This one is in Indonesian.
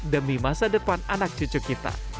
demi masa depan anak cucu kita